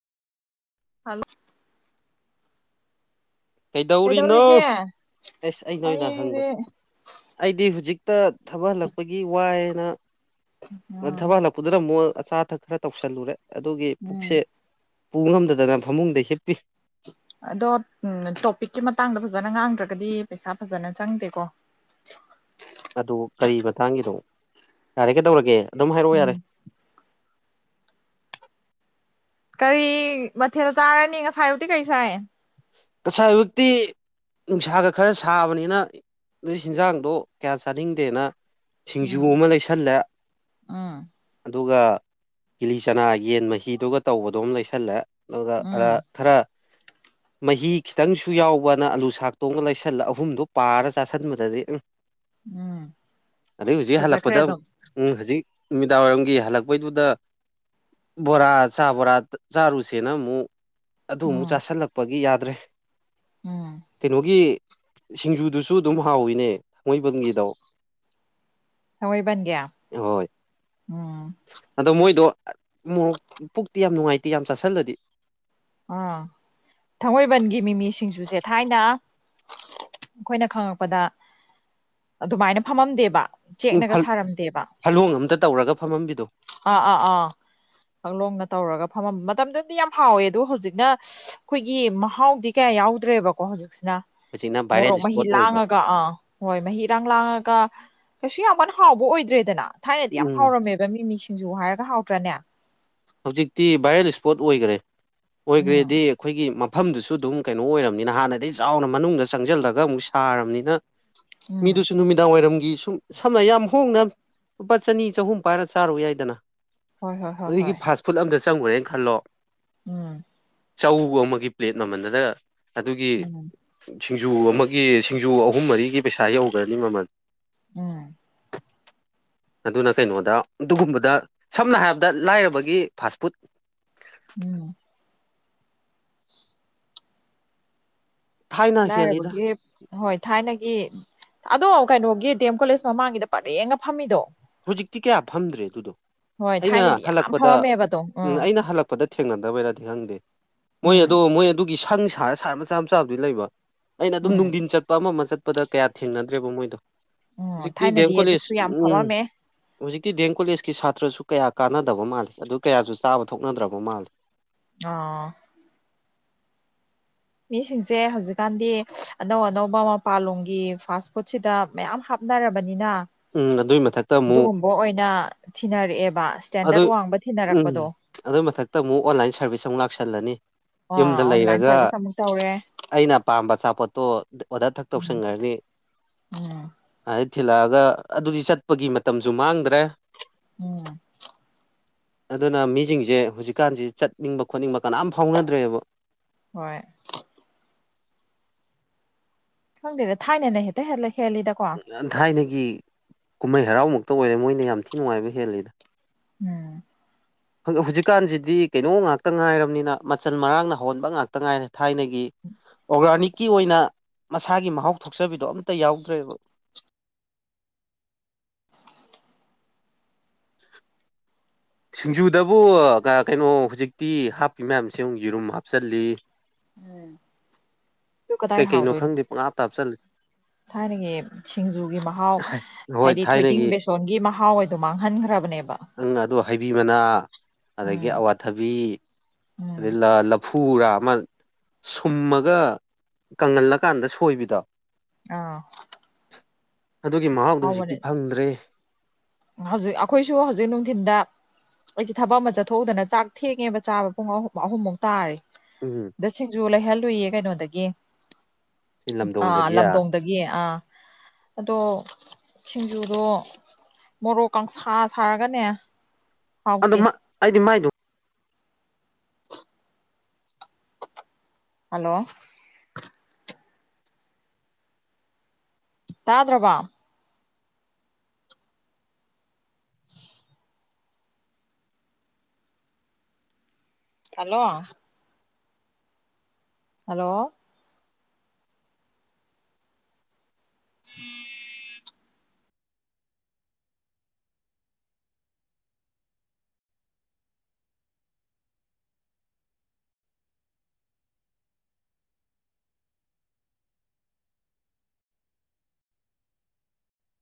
hello ꯀꯩꯗꯧꯔꯤꯅꯣ ꯀꯩꯗꯧꯔꯤꯒꯦ ꯑꯦꯁ ꯑꯩꯅ ꯑꯣꯏꯅ ꯍꯪꯕ ꯑꯩꯗꯤ ꯑꯩꯗꯤ ꯍꯧꯖꯤꯛ ꯇ ꯊꯕ ꯍꯜꯂꯛꯄꯒꯤ ꯋꯥꯏꯅ ꯎꯝ ꯊꯕ ꯍꯜꯂꯛꯄꯗꯨꯅ ꯑꯃꯨꯛ ꯑꯥꯊꯛ ꯈꯔ ꯇꯧꯁꯜꯂꯨꯔꯦ ꯑꯗꯨꯒꯤ ꯎꯝ ꯄꯨꯛꯁꯦ ꯄꯨ ꯉꯝꯗꯗꯅ ꯐꯃꯨꯡꯗ ꯍꯤꯞꯄꯤ [inaudible] ꯑꯗꯣ ꯇꯣꯄꯤꯛꯀꯤ ꯃꯇꯥꯡꯗ ꯐꯖꯅ ꯉꯥꯡꯗ꯭ꯔꯒꯗꯤ ꯄꯩꯁꯥ ꯐꯖꯅ ꯆꯪꯗꯦꯀꯣ [inaudible] ꯑꯗꯨ ꯀꯔꯤ ꯃꯇꯥꯡꯒꯤꯗꯣ ꯌꯥꯔꯦ ꯀꯩꯗꯧꯔꯒꯦ ꯑꯗꯨꯝ ꯍꯥꯏꯔꯛꯑꯣ ꯌꯥꯔꯦ ꯎꯝ [inaudible] ꯀꯔꯤ ꯃꯊꯦꯜ ꯆꯥꯔꯅꯤ ꯉꯁꯥꯏꯕꯨꯗꯤ ꯀꯩ ꯁꯥꯏ ꯀꯁꯥꯕꯛꯇꯤ ꯅꯨꯡꯁꯥꯒ ꯈꯔ ꯁꯥꯕꯅꯤꯅ ꯑꯗꯨ ꯍꯟꯖꯥꯡꯗꯣ ꯀꯌꯥ ꯆꯥꯅꯤꯡꯗꯦꯅ ꯁꯤꯡꯖꯨ ꯎꯝ ꯑꯃ ꯂꯩꯁꯜꯂꯦ ꯎꯝ ꯑꯗꯨꯒ ꯀꯤꯂꯤ ꯆꯅꯥ ꯌꯦꯟ ꯃꯍꯤꯗꯨꯒ ꯇꯧꯕꯗꯣꯝ ꯂꯩꯁꯜꯂꯦ ꯑꯗꯨꯒ ꯑ ꯎꯝ ꯈꯔ ꯃꯍꯤ ꯈꯤꯇꯪꯁꯨ ꯌꯥꯎꯕꯅ ꯑꯂꯨ ꯁꯥꯛꯇꯣꯡꯉ ꯂꯩꯁꯜꯂ ꯑꯍꯨꯝꯗꯨꯣ ꯄꯥꯔ ꯆꯥꯥꯁꯟꯕꯗꯗꯤ ꯑꯪ ꯎꯝ ꯑꯗꯩ ꯍꯧꯖꯤꯛ ꯐꯖꯈ꯭ꯔꯦ ꯍꯜꯂꯛꯄꯗ ꯑꯗꯨꯝ ꯎꯝ ꯍꯧꯖꯤꯛ ꯅꯨꯃꯤꯗꯥꯡ ꯋꯥꯏꯔꯝꯒꯤ ꯍꯜꯂꯛꯄꯩꯗꯨꯗ ꯕꯣꯔꯥ ꯆꯥꯕꯣꯔꯥ ꯆꯥꯔꯨꯁꯦꯅ ꯃꯨ ꯑꯗꯨ ꯑꯃꯨꯛ ꯎꯝ ꯆꯥꯁꯤꯜꯂꯛꯄꯒꯤ ꯌꯥꯗ꯭ꯔꯦ ꯎꯝ ꯀꯩꯅꯣꯒꯤ ꯁꯤꯡꯖꯨꯗꯨꯁꯨ ꯑꯗꯨꯝ ꯍꯥꯎꯋꯤꯅꯦ ꯊꯥꯡꯃꯩꯕꯟꯒꯤꯗꯣ ꯊꯥꯡꯃꯩꯕꯟꯒꯤ ꯍꯣꯏ ꯎꯝ ꯑꯗꯣ ꯃꯣꯏꯗꯣ ꯃꯣꯔꯣꯛ ꯄꯨꯛꯇꯤ ꯌꯥꯝ ꯅꯨꯡꯉꯥꯏꯇꯦ ꯌꯥꯝ ꯆꯥꯁꯜꯂꯗꯤ ꯑꯥ ꯊꯥꯡꯃꯩꯕꯟꯒꯤ ꯃꯤꯃꯤꯁꯤꯡꯁꯨ ꯆꯦ ꯊꯥꯏꯅ ꯑꯩꯈꯣꯏꯅ ꯈꯪꯉꯛꯄꯗ ꯑꯗꯨꯃꯥꯏꯅ ꯐꯝꯃꯝꯗꯦꯕ ꯎꯝ ꯆꯦꯛꯅꯒ ꯁꯥꯔꯝꯗꯦꯕ ꯐꯂꯣꯡ ꯑꯝꯇ ꯇꯧꯔꯒ ꯐꯝꯃꯝꯕꯤꯗꯣ ꯑꯥ ꯑꯥ ꯑꯥ ꯄꯛꯂꯣꯡꯅ ꯇꯧꯔꯒ ꯐꯝꯃꯝ ꯃꯇꯝꯗꯨꯗꯤ ꯌꯥꯝ ꯍꯥꯎꯋꯦ ꯑꯗꯣ ꯍꯧꯖꯤꯛꯅ ꯑꯩꯈꯣꯏꯒꯤ ꯃꯍꯥꯎꯗꯤ ꯀꯌꯥ ꯌꯥꯎꯗ꯭ꯔꯦꯕꯀꯣ ꯍꯧꯖꯤꯛ ꯁꯤꯅ ꯍꯧꯖꯤꯛꯅ ꯚꯥꯏꯔꯦꯜ ꯃꯣꯔꯣꯛ ꯃꯍꯤ ꯏꯁꯄꯣꯠ ꯑꯣꯏꯕ ꯂꯥꯡꯉꯒ ꯑꯥ ꯍꯣꯏ ꯃꯍꯤ ꯏꯔꯥꯡ ꯂꯥꯡꯉꯒ ꯀꯩꯁꯨ ꯌꯥꯝ ꯀꯟꯅ ꯍꯥꯎꯕ ꯑꯣꯏꯗ꯭ꯔꯦꯗꯅ ꯊꯥꯏꯅꯗꯤ ꯌꯥꯝ ꯎꯝ ꯍꯥꯎꯔꯝꯃꯦꯕ ꯃꯤ ꯃꯤ ꯁꯤꯡꯖꯨ ꯍꯥꯏꯔꯒ ꯍꯥꯎꯇ꯭ꯔꯅꯦ ꯍꯧꯖꯤꯛꯇꯤ ꯚꯥꯏꯔꯦꯜ ꯏꯁꯄꯣꯠ ꯑꯣꯏꯈ꯭ꯔꯦ ꯑꯣꯏꯈ꯭ꯔꯦꯗꯤ ꯎꯝ ꯑꯩꯈꯣꯏꯒꯤ ꯃꯐꯝꯗꯨꯁꯨ ꯑꯗꯨꯝ ꯀꯩꯅꯣ ꯑꯣꯏꯔꯕꯅꯤꯅ ꯍꯥꯟꯅꯗꯒꯤ ꯆꯥꯎꯅ ꯃꯅꯨꯡꯗ ꯆꯪꯁꯤꯜꯂꯒ ꯑꯃꯨꯛ ꯁꯥꯔꯕꯅꯤꯅ ꯎꯝ ꯃꯤꯗꯨꯁꯨ ꯅꯨꯃꯤꯗꯥꯡ ꯋꯥꯏꯔꯝꯒꯦ ꯁꯨꯝ ꯁꯝꯅ ꯌꯥꯝ ꯍꯣꯡꯅ ꯂꯨꯄꯥ ꯆꯅꯤ ꯆꯍꯨꯝ ꯄꯥꯏꯔ ꯆꯥꯔꯨ ꯌꯥꯏꯗꯅ ꯍꯣꯏ ꯍꯣꯏ ꯍꯣꯏ ꯍꯣꯏ ꯑꯗꯨꯒꯤ ꯐꯥꯁ ꯐꯨꯗ ꯑꯝꯇ ꯆꯪꯉꯨꯔꯦꯅ ꯈꯜꯂꯣ ꯎꯝ ꯆꯧ ꯑꯃꯒꯤ ꯄ꯭ꯂꯦꯠ ꯃꯃꯜꯗꯗ ꯑꯗꯨꯒꯤ ꯎꯝ ꯁꯤꯡꯖꯨ ꯑꯃꯒꯤ ꯁꯤꯡꯖꯨ ꯑꯍꯨꯝ ꯃꯔꯤꯒꯤ ꯄꯩꯁꯥ ꯌꯧꯗ꯭ꯔꯅꯤ ꯃꯃꯜ ꯎꯝ ꯑꯗꯨꯅ ꯀꯩꯅꯣꯗ ꯑꯗꯨꯒꯨꯝꯕꯗ ꯁꯝꯅ ꯍꯥꯏꯔꯕꯗ ꯂꯥꯏꯔꯕꯒꯤ ꯒꯤ ꯐꯥꯁ ꯐꯨꯗ ꯎꯝ ꯊꯥꯏꯅ ꯍꯦꯜꯂꯤꯗ ꯂꯥꯏꯔꯕꯒꯤ ꯍꯣꯏ ꯊꯥꯏꯅꯒꯤ ꯑꯗꯣ ꯀꯩꯅꯣꯒꯤ ꯗꯤ ꯑꯦꯝ ꯀꯣꯂꯦꯖ ꯃꯃꯥꯡꯒꯤꯗ ꯄꯔꯦꯡꯒ ꯐꯝꯃꯤꯗꯣ ꯍꯧꯖꯤꯛꯇꯤ ꯀꯌꯥ ꯐꯝꯗ꯭ꯔꯦ ꯑꯗꯨꯗꯣ ꯍꯣꯏ ꯑꯩꯅ ꯊꯥꯏꯅꯗꯤ ꯌꯥꯝ ꯍꯜꯂꯛꯄꯗ ꯐꯝꯃꯝꯃꯦꯕꯗꯣ ꯎꯝ ꯑꯩꯅ ꯍꯜꯂꯛꯄꯗ ꯊꯦꯡꯅꯗꯕꯩꯔꯗꯤ ꯈꯪꯗꯦ ꯃꯣꯏ ꯎꯝ ꯑꯗꯣ ꯃꯣꯏ ꯑꯗꯨꯒꯤ ꯁꯪ ꯁꯥꯔ ꯁꯥꯔ ꯃꯆꯥ ꯃꯆꯥꯕꯨꯗꯤ ꯂꯩꯕ ꯑꯩꯅ ꯑꯗꯨꯝ ꯎꯝ ꯅꯨꯡꯊꯤꯟ ꯆꯠꯄ ꯑꯃ ꯑꯃ ꯆꯠꯄꯗ ꯀꯌꯥ ꯊꯦꯡꯅꯗ꯭ꯔꯦꯕ ꯃꯣꯏꯗꯣ ꯎꯝ ꯍꯧꯖꯤꯛꯇꯤ ꯗꯦꯦꯝ ꯊꯥꯏꯅꯗꯤ ꯀꯣꯂꯦꯖ ꯑꯗꯨꯁꯨ ꯌꯥꯝ ꯎꯝ ꯐꯝꯃꯝꯃꯦ ꯍꯧꯖꯤꯛꯇꯤ ꯗꯤ ꯑꯦꯝ ꯀꯣꯂꯦꯖꯀꯤ ꯁꯥꯇ꯭ꯔꯁꯨ ꯀꯌꯥ ꯀꯥꯟꯅꯗꯕ ꯃꯥꯜꯂꯤ ꯑꯗꯨ ꯀꯌꯥꯁꯨ ꯆꯥꯕ ꯊꯣꯛꯅꯗ꯭ꯔꯕ ꯃꯥꯜꯂꯤ ꯑꯥ ꯃꯤꯁꯤꯡꯁꯦ ꯍꯧꯖꯤꯛꯀꯥꯟꯗꯤ ꯑꯅꯧ ꯑꯅꯧꯕ ꯃꯄꯥꯥꯟꯂꯣꯝꯒꯤ ꯐꯥꯁ ꯐꯨꯗꯁꯤꯗ ꯃꯌꯥꯝ ꯍꯥꯞ ꯈꯣꯠꯅꯔꯕꯅꯤꯅ ꯎꯝ ꯑꯗꯨꯏ ꯃꯊꯛꯇ ꯑꯃꯨꯛ ꯑꯗꯨꯒꯨꯝꯕ ꯑꯣꯏꯅ ꯊꯤꯅꯔꯛꯑꯦꯕ ꯑꯗꯨ ꯏꯁꯇꯦꯟꯗꯔꯠ ꯋꯥꯡꯕ ꯎꯝ ꯊꯤꯅꯔꯛꯄꯗꯣ ꯑꯗꯨꯏ ꯃꯊꯛꯇ ꯑꯃꯨꯛ ꯑꯣꯟꯂꯥꯏꯟ ꯁꯥꯔꯚꯤꯁ ꯑꯃꯨꯛ ꯂꯥꯛꯁꯜꯂꯅꯤ ꯑ ꯌꯨꯝꯗ ꯑꯣꯟꯂꯥꯏꯟ ꯂꯩꯔꯒ ꯁꯔꯚꯤꯁꯁ ꯑꯃꯨꯛꯛꯇ ꯇꯔꯦ ꯑꯩꯅ ꯄꯥꯝꯕ ꯑꯆꯥꯄꯣꯠꯇꯣ ꯑꯣꯗꯔꯛ ꯇꯧꯁꯟꯈ꯭ꯔꯅꯤ ꯊꯤꯜꯂꯛꯑꯒ ꯑꯗꯨꯗꯤ ꯆꯠꯄꯒꯤ ꯃꯇꯝꯁꯨ ꯃꯥꯡꯗ꯭ꯔꯦ ꯎꯝ ꯑꯗꯨꯅ ꯃꯤꯁꯤꯡꯁꯦ ꯍꯧꯖꯤꯛꯀꯥꯟꯁꯦ ꯆꯠꯅꯤꯡꯕ ꯈꯣꯠꯅꯤꯡꯕ ꯀꯅꯥꯝ ꯐꯥꯎꯅꯗ꯭ꯔꯦꯕ ꯍꯣꯏ ꯊꯪꯗꯦꯒ ꯊꯥꯏꯅꯅꯦꯍꯦꯇ ꯍꯂ ꯂꯩ ꯊꯥꯏꯅꯒꯤ ꯀꯨꯝꯍꯩ ꯍꯔꯥꯎꯃꯛꯇ ꯑꯣꯏꯔꯦ ꯃꯣꯏꯅ ꯌꯥꯝ ꯊꯤ ꯅꯨꯡꯉꯥꯏꯕ ꯍꯦꯜꯂꯤꯗ ꯎꯝ ꯍꯧꯖꯤꯛꯀꯥꯟꯁꯤꯗꯤ ꯀꯩꯅꯣ ꯉꯥꯛꯇ ꯉꯥꯏꯔꯕꯅꯤꯅ ꯃꯆꯜ ꯃꯔꯥꯡꯅ ꯍꯧꯣꯟꯕ ꯉꯥꯛꯇ ꯉꯥꯏꯔꯦ ꯊꯥꯏꯅꯒꯤ ꯑꯣꯔꯒꯥꯅꯤꯛꯀꯤ ꯑꯣꯏꯅ ꯃꯁꯥꯒꯤ ꯃꯍꯥꯎ ꯊꯣꯛꯆꯕꯤꯗꯣ ꯑꯝꯇ ꯌꯥꯎꯗ꯭ꯔꯦꯕ [unintelligible] ꯁꯤꯡꯖꯨꯗꯕꯨ ꯀꯩꯅꯣ ꯍꯧꯖꯤꯛꯇꯤ ꯍꯥꯞꯄꯤ ꯃꯌꯥꯝꯁꯦ ꯑꯃꯨꯛ ꯌꯦꯔꯨꯝ ꯍꯥꯞꯆꯤꯜꯂꯤ ꯑꯗꯨ ꯀꯗꯥꯏ ꯀꯩ ꯀꯩꯅꯣ ꯍꯥꯎꯗꯣꯏꯅꯣ ꯈꯪꯗꯦ ꯄꯍꯥꯞ ꯇꯥꯞ ꯆꯠꯂꯁꯤ [unintelligible] ꯊꯥꯏꯅꯒꯤ ꯁꯤꯡꯖꯨꯒꯤ ꯃꯍꯥꯎ ꯍꯣꯏ ꯍꯥꯏꯗꯤ ꯊꯣꯏꯗꯤꯡ ꯊꯥꯏꯅꯒꯤ ꯕꯦꯁꯣꯟꯒꯤ ꯃꯍꯥꯎꯗꯣ ꯃꯥꯡꯍꯟꯈ꯭ꯔꯕꯅꯦꯕ ꯅꯪ ꯑꯗꯣ ꯍꯩꯕꯤ ꯃꯅꯥ ꯑꯗꯒꯤ ꯎꯝ ꯑꯋꯥꯊꯕꯤ ꯎꯝ ꯑꯩ ꯂꯐꯔꯥ ꯑꯃ ꯁꯨꯝꯃꯒ ꯀꯪꯍꯜꯂꯀꯥꯟꯗ ꯁꯣꯏꯕꯤꯗꯣ ꯑꯥ ꯑꯗꯨꯒꯤ ꯃꯍꯥꯎꯗꯣ ꯍꯧꯖꯤꯛꯇꯤ ꯍꯥꯎꯕꯅꯦ ꯐꯪꯗ꯭ꯔꯦ ꯍꯧꯖꯤꯛ ꯑꯩꯈꯣꯏꯁꯨ ꯍꯧꯖꯤꯛ ꯅꯨꯡꯊꯤꯤꯟꯗ ꯑꯩꯁꯦ ꯊꯕꯛ ꯑꯃ ꯆꯠꯊꯣꯛꯎꯗꯅ ꯆꯥꯛ ꯊꯦꯡꯉꯦꯕ ꯆꯥꯕ ꯄꯨꯡꯍꯨꯝ ꯑꯍꯨꯝꯃꯨꯛ ꯇꯥꯔꯦ ꯎꯝ ꯗ ꯁꯤꯡꯖꯨ ꯂꯩꯍꯜꯂꯨꯏꯌꯦ ꯀꯩꯅꯣꯗꯒꯤ ꯁꯤ ꯑꯥ ꯂꯝꯗꯣꯡꯗꯒꯤ ꯂꯝꯗꯣꯡꯗꯒꯤ ꯑꯥ ꯑꯗꯣ ꯁꯤꯡꯖꯨꯗꯣ ꯃꯣꯔꯣꯛ ꯀꯥꯡꯁꯥ ꯁꯥꯔꯒꯅꯦ ꯑꯗꯣ ꯍꯥꯎꯇꯦ ꯑꯩꯗꯤ ꯃꯥꯏꯗꯨ ꯍꯜꯂꯣ ꯇꯥꯗ꯭ꯔꯕ ꯍꯜꯂꯣ ꯍꯜꯂꯣ ꯎꯝ